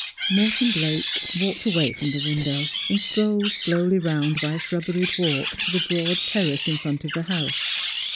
Morton Blake walked away from the window, and strolled slowly round by a shrubberied walk to the broad terrace in front of the house.